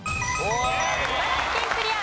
茨城県クリア。